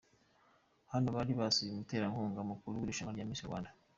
Hano bari basuye umuterankunga mukuru w'irushanwa rya Miss Rwanda.